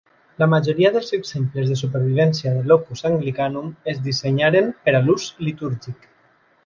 La majoria dels exemples de supervivència de l'opus Anglicanum es dissenyaren per a l'ús litúrgic.